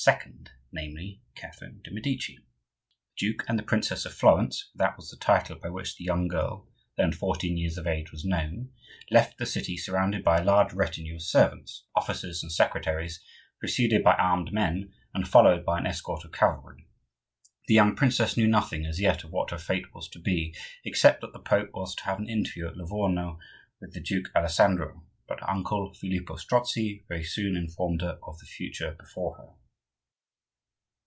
namely, Catherine de' Medici. The duke and the Princess of Florence, for that was the title by which the young girl, then fourteen years of age, was known, left the city surrounded by a large retinue of servants, officers, and secretaries, preceded by armed men, and followed by an escort of cavalry. The young princess knew nothing as yet of what her fate was to be, except that the Pope was to have an interview at Livorno with the Duke Alessandro; but her uncle, Filippo Strozzi, very soon informed her of the future before her.